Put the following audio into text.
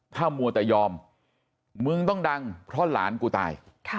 ถ้ามัวแต่ยอมมึงต้องดังเพราะหลานกูตาย